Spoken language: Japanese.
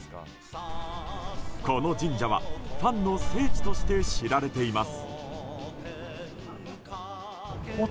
この神社はファンの聖地として知られています。